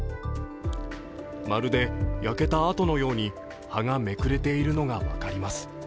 まるで焼けたあとのように葉がめくれているのが分かります。